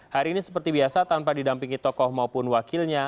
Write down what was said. hari ini seperti biasa tanpa didampingi tokoh maupun wakilnya